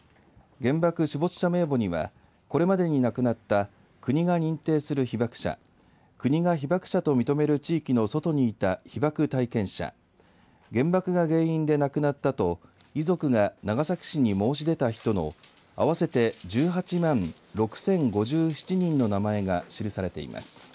原爆死没者名簿にはこれまでに亡くなった国が認定する被爆者国が被爆者と認める地域の外にいた被爆体験者原爆が原因で亡くなったと遺族が長崎市に申し出た人の合わせて１８万６０５７人の名前が記されています。